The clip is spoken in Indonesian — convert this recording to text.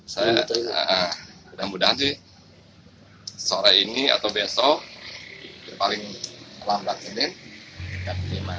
saya mudah mudahan sih sore ini atau besok paling lambat kemudian ke lima